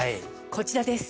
こちらです。